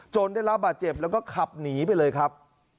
ได้รับบาดเจ็บแล้วก็ขับหนีไปเลยครับ